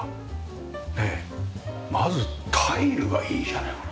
まずタイルがいいじゃないこれ。